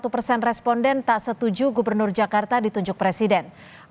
satu persen responden tak setuju gubernur jakarta ditunjuk presiden